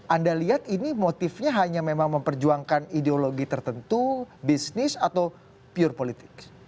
anda lihat ini motifnya hanya memang memperjuangkan ideologi tertentu bisnis atau pure politik